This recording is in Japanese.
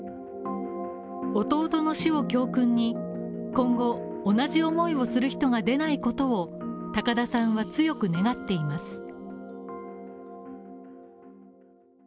弟の死を教訓に、今後、同じ思いをする人が出ないことを高田さんは強く願っています。